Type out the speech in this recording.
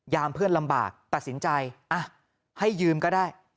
เพื่อนลำบากตัดสินใจให้ยืมก็ได้